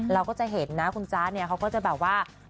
เราก็จะเห็นนะคุณจ๊ะเนี่ยเขาก็จะแบบว่า